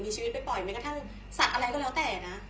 มีชีวิตไปปล่อยแม้กระทั่งสัตว์อะไรก็แล้วแต่นะ